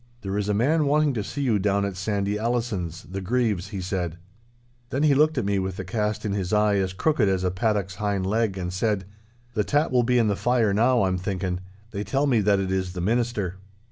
'There is a man wanting to see you down at Sandy Allison's, the Grieve's,' he said. Then he looked at me with the cast in his eye as crooked as a paddock's hind leg, and says he, 'The tat will be in the fire now, I'm thinking. They tell me that it is the Minister!